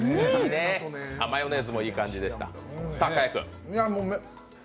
マヨネーズもいい感じでした。